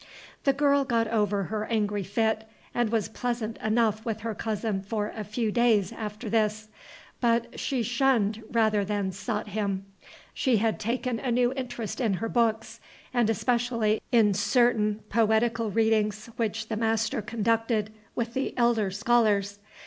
The girl got over her angry fit, and was pleasant enough with her cousin for a few days after this; but she shunned rather than sought him. She had taken a new interest in her books, and especially in certain poetical readings which the master conducted with the elder scholars.